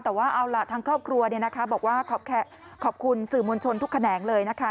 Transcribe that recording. แต่ว่าเอาล่ะทางครอบครัวบอกว่าขอบคุณสื่อมวลชนทุกแขนงเลยนะคะ